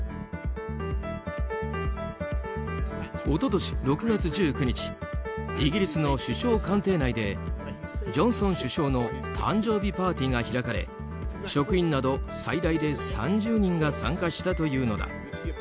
一昨年６月１９日イギリスの首相官邸内でジョンソン首相の誕生日パーティーが開かれ職員など最大で３０人が参加したというのだ。